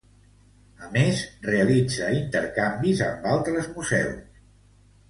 A més, realitza intercanvis amb altres museus.